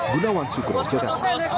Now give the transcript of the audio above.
gunawan syukur menjaga